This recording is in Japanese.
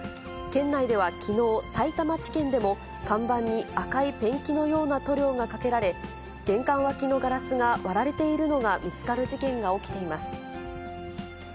県内ではきのう、さいたま地検でも、看板に赤いペンキのような塗料がかけられ、玄関脇のガラスが割られているのが見つかる事件が起きています。